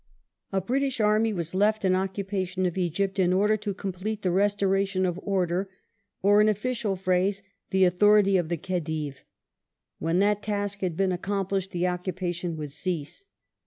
A British army was left in occupation of Egypt in order to The complete the restoration of order, or, in official phrase, the " authority of the Khedive ". When that task had been accom of order plished the occupation would cease.